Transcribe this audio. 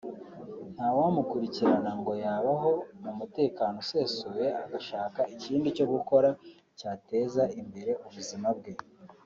nta wamukurikirana ngo yabaho mu mutekano usesuye agashaka ikindi cyo gukora cyateza imbere ubuzima bwe